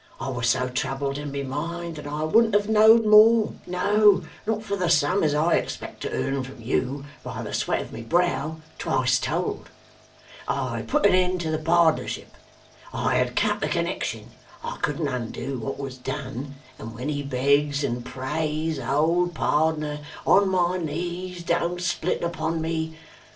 I was so troubled in my mind, that I wouldn't have knowed more, no, not for the sum as I expect to earn from you by the sweat of my brow, twice told! I had put an end to the pardnership. I had cut the connexion. I couldn't undo what was done; and when he begs and prays, "Old pardner, on my knees, don't split upon me!"